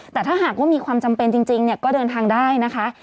แต่ถ้าหากว่ามีความจำเป็นจริงก็เดินทางได้นะคะ